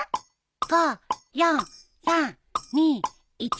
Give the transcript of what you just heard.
５４３２１。